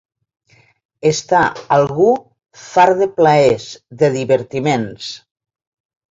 Estar algú fart de plaers, de divertiments.